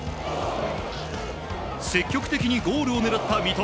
積極的にゴールを狙った三笘。